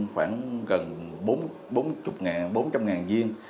khoảng gần bốn trăm linh viên